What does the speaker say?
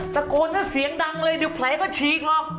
ตะโกนถ้าเสียงดังเลยเดี๋ยวแผลก็ฉีกหรอก